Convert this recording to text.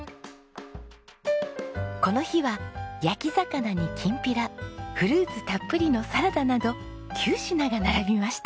この日は焼き魚にきんぴらフルーツたっぷりのサラダなど９品が並びました。